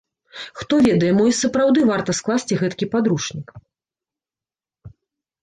Хто ведае, мо і сапраўды варта скласці гэткі падручнік.